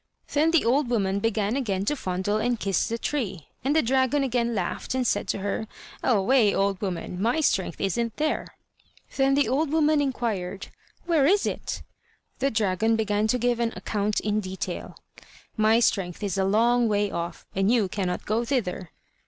Then the old woman began again to fondle and kiss the tree, and the dragon again laughed, and said to her: "Away, old woman! my strength isn't there." Then the old woman inquired: "Where is it?" The dragon began to give an account in detail: "My strength is a long way off, and you cannot go thither.